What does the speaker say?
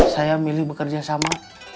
saya milih bekerja sama